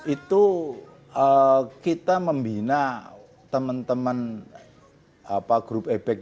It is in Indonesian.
itu kita membina teman teman grup ebek